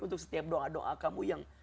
untuk setiap doa doa kamu yang